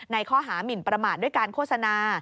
ข้อหามินประมาทด้วยการโฆษณา